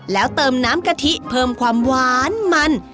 แล้วเติมน้ำกะทิเพิ่มความหวานมัน